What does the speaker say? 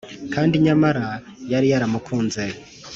kandi nyamara yari yaramukunze